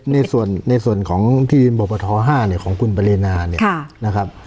ในส่วนในส่วนของทีมบับประทอห้าเนี่ยของคุณปรินาเนี่ยค่ะนะครับ